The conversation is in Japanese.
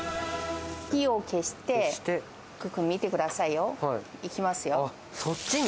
火を消して、福君、見てくださいよ。いきますよ。